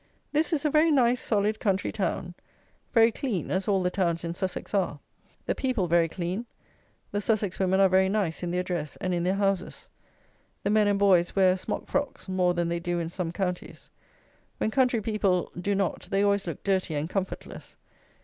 This is a very nice, solid, country town. Very clean, as all the towns in Sussex are. The people very clean. The Sussex women are very nice in their dress and in their houses. The men and boys wear smock frocks more than they do in some counties. When country people do not they always look dirty and comfortless.